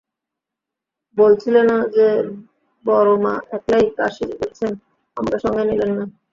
বলছিলে না, যে, বড়োমা একলাই কাশী যাচ্ছেন, আমাকে সঙ্গে নিলেন না?